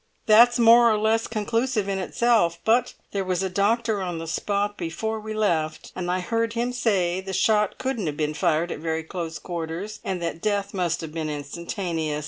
That's more or less conclusive in itself. But there was a doctor on the spot before we left, and I heard him say the shot couldn't have been fired at very close quarters, and that death must have been instantaneous.